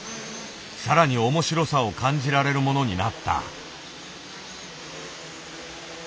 更に面白さを感じられるものになった。